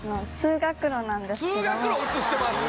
通学路映してます。